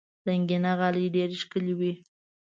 رنګینه غالۍ ډېر ښکلي وي.